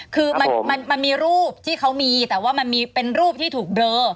คือมันมีรูปที่เขามีแต่ว่ามันมีเป็นรูปที่ถูกเบลอ